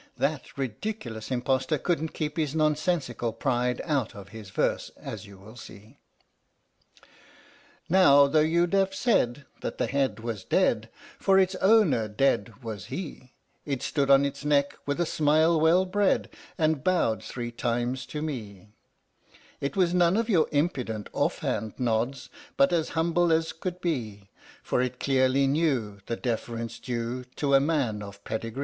That ridiculous impostor couldn't keep his nonsensical pride out of his verse, as you will see: Now though you'd have said that head was dead, For its owner dead was he, It stood on its neck with a smile well bred And bowed three times to me ; It was none of your impudent off hand nods But as humble as could be, For it clearly knew The deference due To a man of pedigree!